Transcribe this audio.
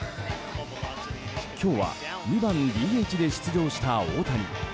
今日は２番ＤＨで出場した大谷。